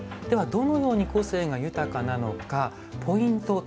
ではどのように個性が豊かなのかポイント